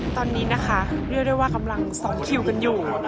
ตอนนี้นะคะเรียกได้ว่ากำลังสอนคิวกันอยู่